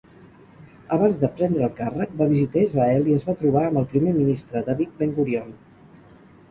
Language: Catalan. Abans de prendre el càrrec, va visitar Israel i es va trobar amb el primer ministre David Ben-Gurion.